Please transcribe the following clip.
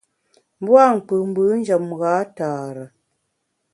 Mbua’ nkpù mbù njem gha tare.